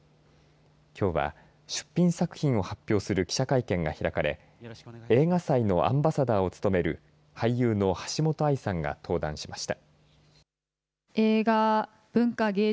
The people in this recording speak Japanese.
きょうは、出品作品を発表する記者会見が開かれ映画祭のアンバサダーを務める俳優の橋本愛さんが登壇しました。